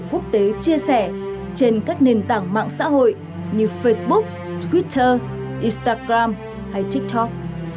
những khách du lịch quốc tế chia sẻ trên các nền tảng mạng xã hội như facebook twitter instagram hay tiktok